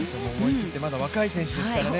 まだ若い選手ですからね